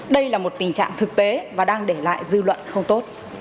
đây là một tình trạng thực tế và đang để lại dư luận không tốt